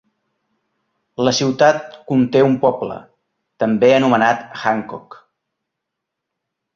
La ciutat conté un poble, també anomenat Hancock.